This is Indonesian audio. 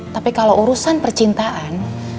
tapi kalau urusan percintaan